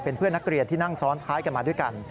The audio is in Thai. เพื่อนนักเรียนที่นั่งซ้อนท้ายกันมาด้วยกัน